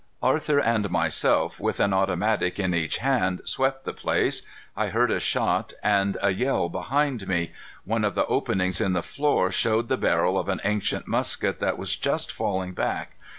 Arthur and myself with an automatic in each hand swept the place. I heard a shot and a yell behind me. One of the openings in the floor showed the barrel of an ancient musket that was just falling back.